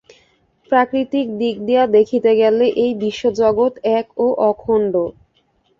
প্রাকৃতিক দিক দিয়া দেখিতে গেলে এই বিশ্বজগৎ এক ও অখণ্ড।